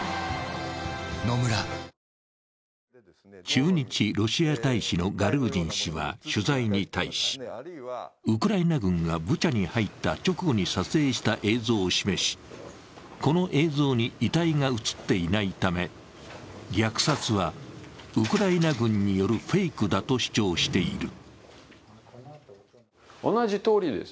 駐日ロシア大使のガルージン氏は取材に対し、ウクライナ軍がブチャに入った直後に撮影した映像を示しこの映像に遺体が映っていないため、虐殺はウクライナ軍によるフェイクだと主張している。